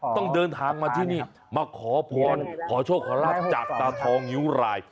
ต้องเดินทางมาที่นี่มาขอพรขอโชคขอรับจากตาทองนิ้วราย